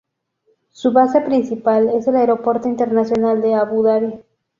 Su base principal es el Aeropuerto Internacional de Abu Dabi.